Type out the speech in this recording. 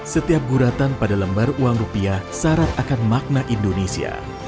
setiap guratan pada lembar uang rupiah syarat akan makna indonesia